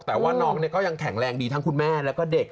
แต่ว่าน้องก็ยังแข็งแรงดีทั้งคุณแม่แล้วก็เด็ก